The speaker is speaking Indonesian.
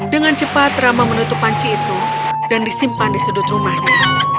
dengan cepat rama menutup panci itu dan disimpan di sudut rumahnya